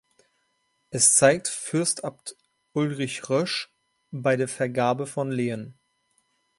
Es zeigt Fürstabt Ulrich Rösch bei der Vergabe von Lehen.